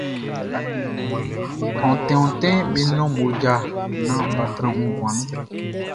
Ontin ontin be nɔn mmoja naan bʼa tran nguan nun.